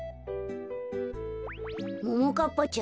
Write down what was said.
ももかっぱちゃ